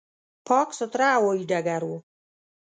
پاک، سوتره هوایي ډګر و.